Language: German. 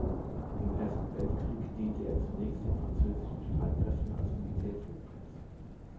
Im Ersten Weltkrieg diente er zunächst den französischen Streitkräften als Militärflugplatz.